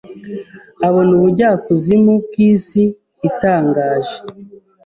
abona ubujyakuzimu bwisi itangaje